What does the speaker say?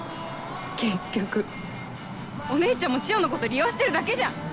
結局お姉ちゃんもチヨのこと利用してるだけじゃん。